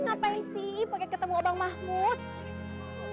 lagian bapaknya ngapain sih pake ketemu bang mahmud